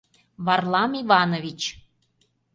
Варлам Иванович.